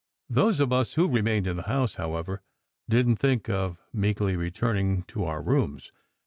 Those of us who remained in the house, however, didn t think of meekly returning to our rooms.